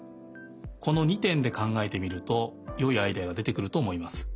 この２てんでかんがえてみるとよいアイデアがでてくるとおもいます。